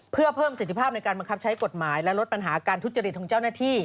เพื่อเพิ่มสิทธิภาพในการบังคับใช้กฎหมายและลดปัญหาการทุจริตของเจ้าหน้าที่